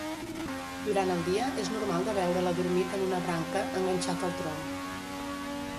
Durant el dia és normal de veure'l adormit en una branca, enganxat al tronc.